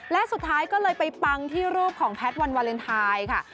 และสุดท้ายก็เลยไปปังที่รูปของแพทย์วันวาเลนไทยค่ะ